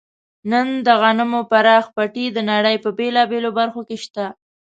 نن د غنمو پراخ پټي د نړۍ په بېلابېلو برخو کې شته.